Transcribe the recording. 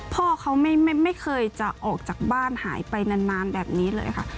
พ่อเขาไม่เคยจะออกจากบ้านหายไปนานแบบนี้เลยค่ะ